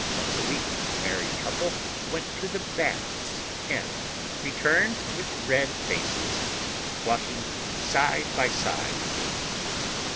Once a week the married couple went to the baths and returned with red faces, walking side by side.